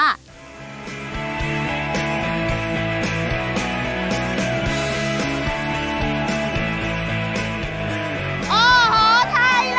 โอ้โหไทลานด์